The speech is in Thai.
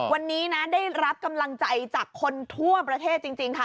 วันนี้นะได้รับกำลังใจจากคนทั่วประเทศจริงค่ะ